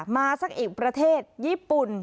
มาสักอีกประเทศญี่ปุ่น